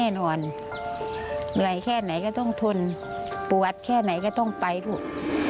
แน่นอนเหนื่อยแค่ไหนก็ต้องทนปวดแค่ไหนก็ต้องไปเถอะ